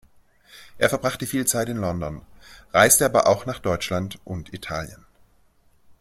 Er verbrachte viel Zeit in London, reiste aber auch nach Deutschland und Italien.